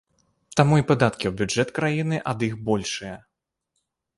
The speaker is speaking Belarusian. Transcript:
Таму і падаткі ў бюджэт краіны ад іх большыя.